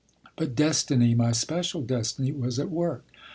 But destiny, my special destiny, was at work.